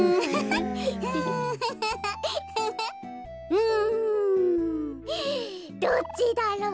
うん。どっちだろう。